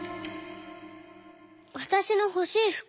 「わたしのほしいふく。